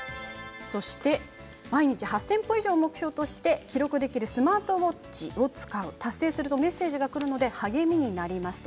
そして毎日８０００歩以上を目標として記録できるスマートウォッチで記録達成するとメッセージがくるので励みになります。